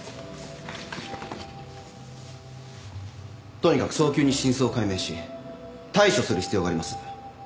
とにかく早急に真相を解明し対処する必要があります。